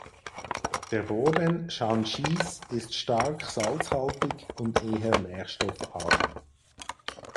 Der Boden Xianxis ist stark salzhaltig und eher nährstoffarm.